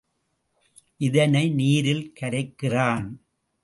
இதனை நீரில் கரைக்கிறான்.